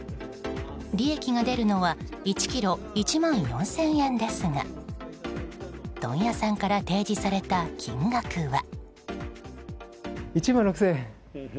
利益が出るのは１ｋｇ１万４０００円ですが問屋さんから提示された金額は。